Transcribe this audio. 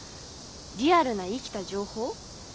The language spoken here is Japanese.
リアルな生きた情報？